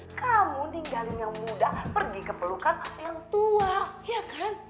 kamu ninggalin yang muda pergi ke pelukan yang tua ya kan